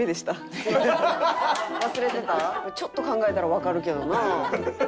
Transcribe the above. ちょっと考えたらわかるけどな。